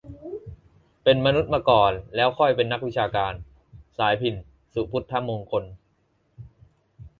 "เป็นมนุษย์ก่อน แล้วค่อยเป็นนักวิชาการ" - สายพิณ ศุพุทธมงคล